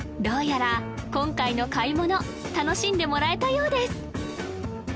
どうやら今回の買い物楽しんでもらえたようです